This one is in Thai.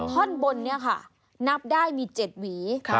ท่อนบนเนี่ยค่ะนับได้มี๗หวี